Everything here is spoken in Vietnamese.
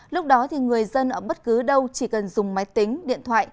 lúc đó người dân ở bất cứ đâu chỉ cần dùng máy tính điện thoại